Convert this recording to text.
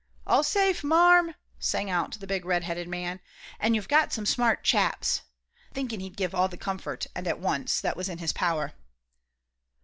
"All safe, Marm," sang out the big redheaded man; "and you've got some smart chaps," thinking he'd give all the comfort, and at once, that was in his power.